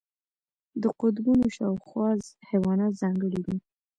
د قطبونو شاوخوا حیوانات ځانګړي دي.